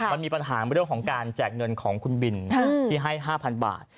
มันมีปัญหาเรื่องของการแจกเงินของคุณบินที่ให้๕๐๐บาท